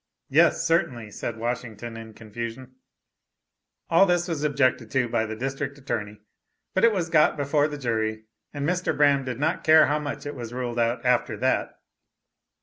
"Yes, certainly," said Washington in confusion. All this was objected to by the district attorney, but it was got before the jury, and Mr. Braham did not care how much it was ruled out after that.